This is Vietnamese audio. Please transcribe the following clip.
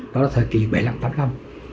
đó là thời kỳ bảy mươi tám năm